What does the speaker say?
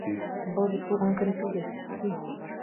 Был бит тыуған көн түгел, туй!